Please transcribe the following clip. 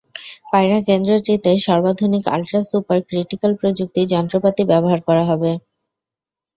পায়রা কেন্দ্রটিতে সর্বাধুনিক আল্ট্রা সুপার ক্রিটিক্যাল প্রযুক্তির যন্ত্রপাতি ব্যবহার করা হবে।